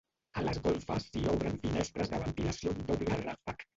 A les golfes s'hi obren finestres de ventilació amb doble ràfec.